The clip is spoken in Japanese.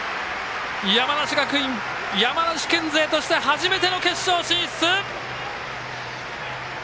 山梨学院、山梨県勢として初めての決勝進出！